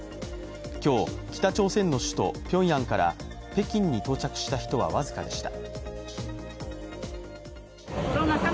今日、北朝鮮の首都ピョンヤンから北京に到着した人は僅かでした。